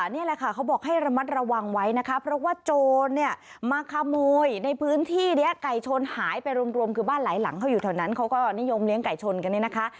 นี่แหละค่ะเขาบอกให้ระมัดระวังไว้นะคะเพราะว่าโจรเนี่ยมาขโมยในพื้นที่นี้ไก่ชนหายไปรวมคือบ้านหลายหลังเขาอยู่แถวนั้นเขาก็นิยมเลี้ยงไก่ชนกันเนี่ยนะคะ